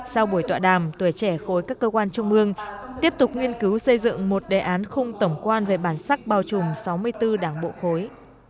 sau buổi tọa đàm tuổi trẻ khối các cơ quan trung ương tiếp tục nghiên cứu xây dựng một đề án không tổng quan về bản sắc bao trùm sáu mươi bốn đảng bộ khối